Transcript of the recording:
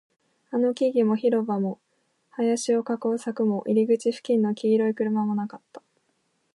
あの木々も、広場も、林を囲う柵も、入り口付近の黄色い車もなかった